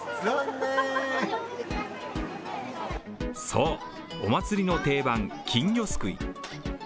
そう、お祭りの定番、金魚すくい。